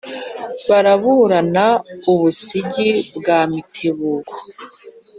baraburana u busigi bwa mitebuko